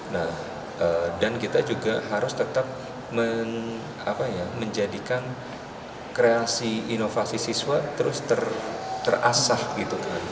nah dan kita juga harus tetap menjadikan kreasi inovasi siswa terus terasah gitu kan